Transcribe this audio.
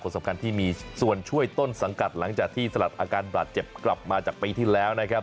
สำคัญที่มีส่วนช่วยต้นสังกัดหลังจากที่สลัดอาการบาดเจ็บกลับมาจากปีที่แล้วนะครับ